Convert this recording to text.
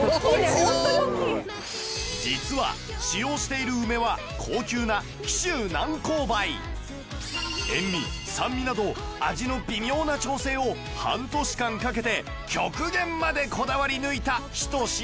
実は使用している梅は塩味酸味など味の微妙な調整を半年間かけて極限までこだわり抜いたひと品